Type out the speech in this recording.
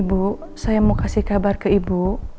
ini bu saya mau kasih kabar ke ibu